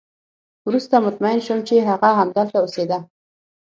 وروسته مطمئن شوم چې هغه همدلته اوسېده